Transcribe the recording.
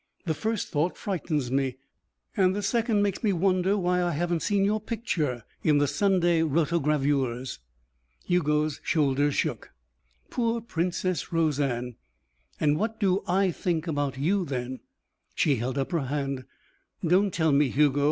The first thought frightens me, and the second makes me wonder why I haven't seen your picture in the Sunday rotogravures." Hugo's shoulders shook. "Poor Princess Roseanne. And what do I think about you, then " She held up her hand. "Don't tell me, Hugo.